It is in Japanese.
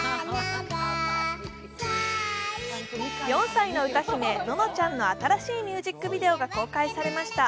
４歳の歌姫・ののちゃんの新しいミュージックビデオが公開されました。